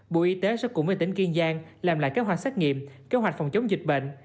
bộ y tế sẽ cùng với tỉnh kiên giang làm lại kế hoạch xét nghiệm kế hoạch phòng chống dịch bệnh